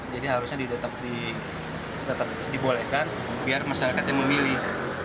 jadi harusnya tetap dibolehkan biar masyarakatnya memilih